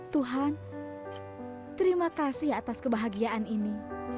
tuhan terima kasih atas kebahagiaan ini